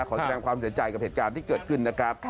แสดงความเสียใจกับเหตุการณ์ที่เกิดขึ้นนะครับ